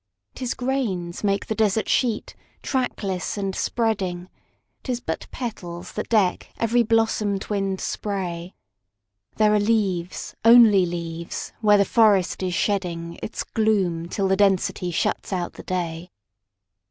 'Tis grains make the desert sheet, trackless and spreading; 'Tis but petals that deck every blossom twinned spray; There are leaves only leaves where the forest is shedding Its gloom till the density shuts out the day.